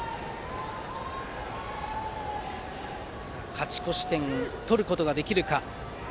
勝ち越し点を取ることができるか。